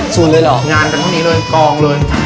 ชูนด์เลยเหรองานเป็นตรงนี้เลยกองเลย